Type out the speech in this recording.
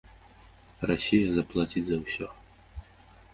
Расія заплаціць за ўсё!